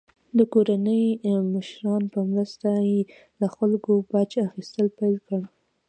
د ګوراني مشرانو په مرسته یې له خلکو باج اخیستل پیل کړل.